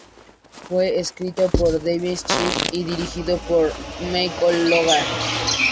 Fue escrito por Dave Schiff y dirigido por Michael Loya.